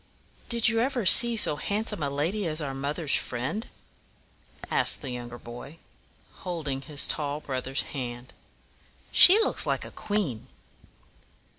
"Did you ever see so handsome a lady as our mother's friend?" asked the younger boy, holding his tall brother's hand. "She looks like a queen."